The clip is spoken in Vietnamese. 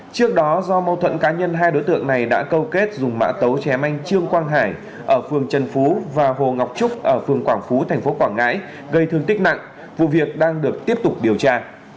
trước đó do mâu thuẫn cá nhân hai đối tượng này đã câu kết dùng mã tấu chém anh trương quang hải ở phường trần phú và hồ ngọc trúc ở phường quảng phú tp quảng ngãi gây thương tích nặng vụ việc đang được tiếp tục điều tra